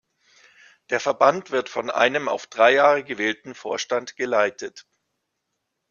Der Verband wird von einem auf drei Jahre gewählten Vorstand geleitet.